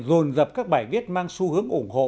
rồn dập các bài viết mang xu hướng ủng hộ